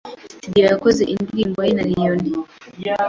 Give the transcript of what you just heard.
Studio yakoze indirimbo ye na Allioni